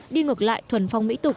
đi ngược lại thuần phong mỹ tục